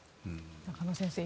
中野先生